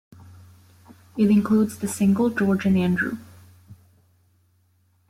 It includes the single "George and Andrew".